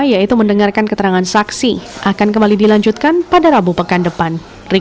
yaitu mendengarkan keterangan saksi akan kembali dilanjutkan pada rabu pekan depan